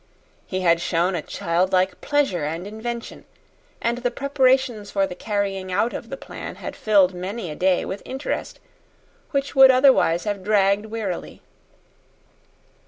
He had shown a childlike pleasure and invention, and the preparations for the carrying out of the plan had filled many a day with interest which would otherwise have dragged wearily.